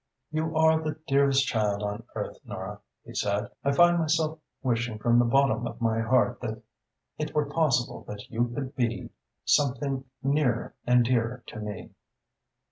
"You are the dearest child on earth, Nora," he said. "I find myself wishing from the bottom of my heart that it were possible that you could be something nearer and dearer to me."